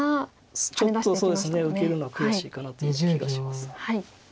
ちょっと受けるのは悔しいかなという気がします。